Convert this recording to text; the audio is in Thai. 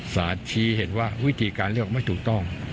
ชี้เห็นว่าวิธีการเลือกไม่ถูกต้อง